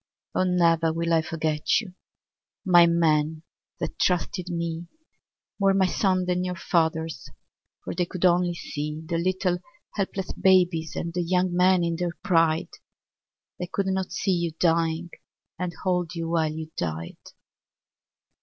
Oh, never will I forget you, My men that trusted me. More my sons than your fathers'. For they could only see The little helpless babies And the young men in their pride. They could not see you dying. And hold you while you died.